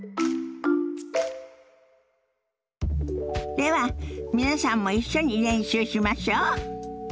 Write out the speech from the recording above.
では皆さんも一緒に練習しましょ。